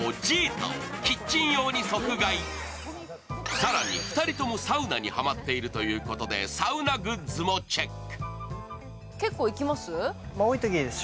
更に２人ともサウナにハマっているということでサウナグッズもチェック。